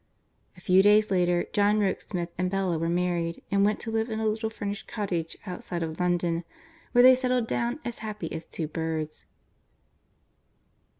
A few days later John Rokesmith and Bella were married and went to live in a little furnished cottage outside of London, where they settled down as happy as two birds.